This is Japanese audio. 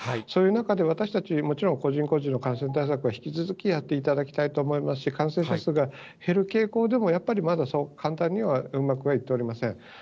そういう中で、私たち、もちろん個人個人の感染対策は引き続きやっていただきたいと思いますし、感染者数が減る傾向でも、やっぱりまだそう簡単にはうまくはいっておりません。